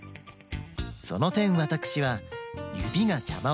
そのてんわたくしはゆびがじゃまをしない